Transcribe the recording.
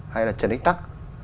hay là trần ích tắc